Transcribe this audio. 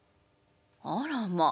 「あらま。